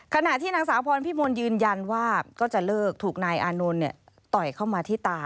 ขณะที่นางสาวพรพิมลยืนยันว่าก็จะเลิกถูกนายอานนท์ต่อยเข้ามาที่ตา